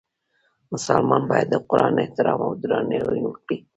مسلمان باید د قرآن احترام او درناوی وکړي.